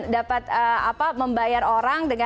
dapat membayar orang